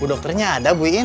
dokternya ada bu iin